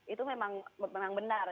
itu memang benar